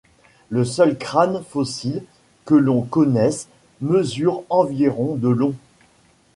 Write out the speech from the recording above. Le seul crâne fossile que l'on connaisse mesure environ de long.